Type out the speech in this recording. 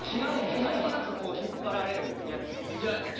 思いっ切り何かこう引っ張られるやつ。